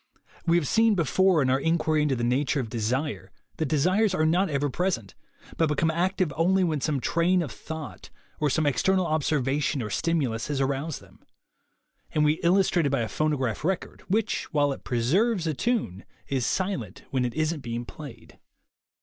We have seen before, in our inquiry into the nature of de sire, that desires are not ever present, but become active only when some train of thought or some ex ternal observation or stimulus has aroused them; and we illustrated by a phonograph record, which, while it preserves a tune, is silent when it isn't being played.